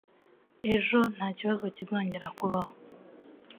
Ejo ntakibazo kizongera kubaho